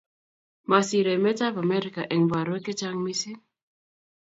Masiir emetab Amerika eng borwek chechang mising